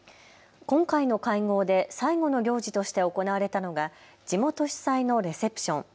今回の会合で最後の行事として行われたのが地元主催のレセプション。